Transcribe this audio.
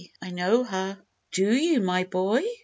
I know her." "Do you, my boy?"